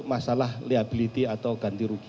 masalah liability atau ganti rugi